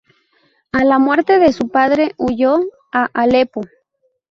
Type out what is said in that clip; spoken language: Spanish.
A la muerte de su padre huyó a Alepo.